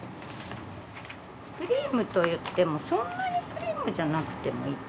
クリームといってもそんなにクリームじゃなくてもいいと。